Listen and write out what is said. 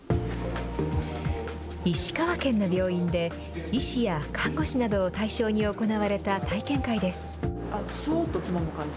石川県の病院で、医師や看護師などを対象に行われた体験会です。